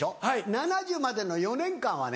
７０までの４年間はね